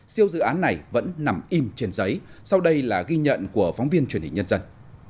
siêu dự án này vẫn nằm im trên giấy sau đây là ghi nhận của phóng viên truyền hình nhân dân